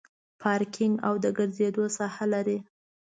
پارکینګ او د ګرځېدو ساحه لري.